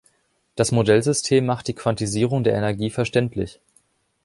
Das Modellsystem macht die Quantisierung der Energie verständlich.